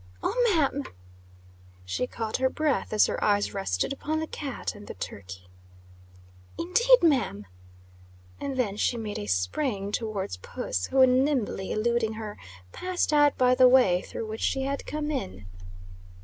"Oh, ma'am!" She caught her breath as her eyes rested upon the cat and the turkey. "Indeed, ma'am!" And then she made a spring towards puss, who, nimbly eluding her, passed out by the way through which she had come in.